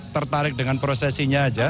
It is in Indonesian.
tertarik dengan prosesinya aja